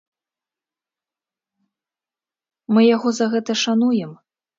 Мы яго за гэта шануем.